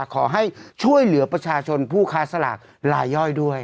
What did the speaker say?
ขอให้ช่วยเหลือประชาชนผู้ค้าสลากลายย่อยด้วย